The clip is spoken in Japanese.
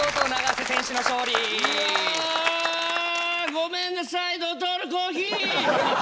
ごめんなさいドトールコーヒー！